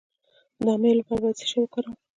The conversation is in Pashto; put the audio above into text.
د امیب لپاره باید څه شی وکاروم؟